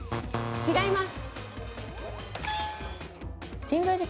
違います。